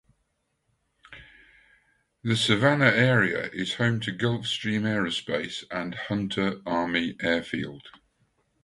The Savannah area is home to Gulfstream Aerospace and Hunter Army Airfield.